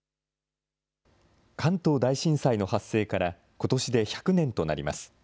関東大震災の発生からことしで１００年となります。